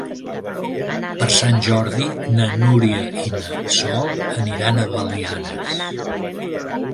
Per Sant Jordi na Núria i na Sol aniran a Belianes.